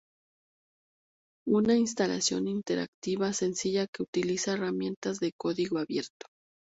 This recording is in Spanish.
Una instalación interactiva sencilla que utiliza herramientas de código abierto.